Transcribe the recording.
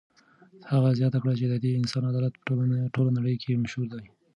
هغه زیاته کړه چې د دې انسان عدالت په ټوله نړۍ کې مشهور دی.